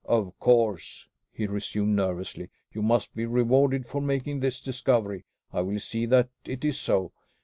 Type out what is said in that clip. "Of course," he resumed nervously, "you must be rewarded for making this discovery. I will see that it is so.